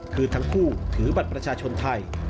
คือทั้งคู่ถือบัตรประชาชนไทย